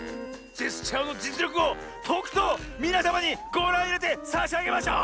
ジェスチャーのじつりょくをとくとみなさまにごらんいれてさしあげましょう！